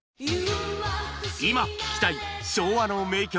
今聴きたい昭和の名曲！